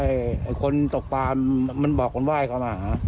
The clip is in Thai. เออคนตกปลามันบอกคนไหว้เข้ามา